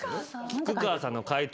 菊川さんの解答